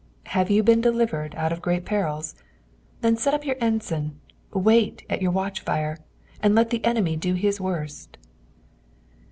Have you been delivered out of ^at perils ? then set up your ensign, wait at your watch fire, and let the enemy do his worst.